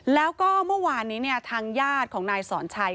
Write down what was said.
แล้วก็เมื่อวานนี้ทางญาติของนายสอนชัย